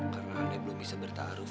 karena aneh belum bisa bertaruh